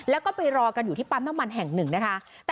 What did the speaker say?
แล้วก็ไปรอกันอยู่ที่ปั๊มน้ำมันแห่งหนึ่งนะคะ